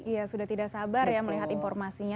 iya sudah tidak sabar ya melihat informasinya